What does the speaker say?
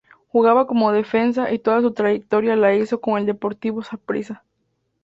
Jugaba como defensa y toda su trayectoria la hizo con el Deportivo Saprissa.